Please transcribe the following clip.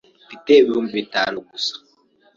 Mfite ibihumbi bitanu gusa.